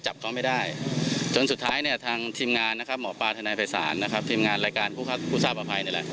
จนสุดท้ายทางทีมงานหมอปาธนายภัยศาลทีมงานรายการผู้คับผู้สาปภัย